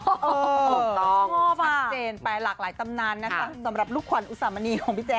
ถูกต้องชัดเจนไปหลากหลายตำนานนะคะสำหรับลูกขวัญอุสามณีของพี่แจ๊